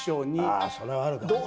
ああそれはあるかもしれない。